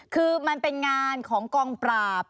คือมันเป็นงานของกองปราบ